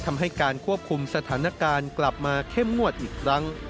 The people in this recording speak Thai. ทำให้การควบคุมสถานการณ์กลับมาเข้มงวดอีกครั้ง